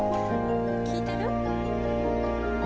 聞いてる？